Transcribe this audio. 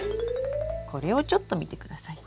これをちょっと見てください。